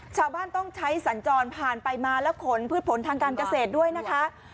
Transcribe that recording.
ชาวบ้านต้องใช้สัญจรผ่านไปมาแล้วขนพืชผลทางการเกษตรด้วยนะคะ